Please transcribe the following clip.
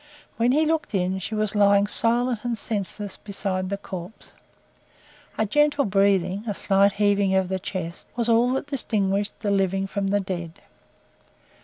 When he looked in, she was lying silent and senseless beside the corpse. A gentle breathing a slight heaving of the chest, was all that distinguished the living from the dead.